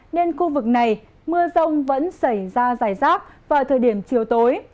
nên khu vực này mưa rông vẫn xảy ra dài rác vào thời điểm chiều tối